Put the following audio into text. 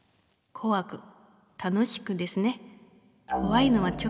こわく楽しくですね。